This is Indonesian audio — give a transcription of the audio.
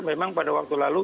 memang pada waktu lalu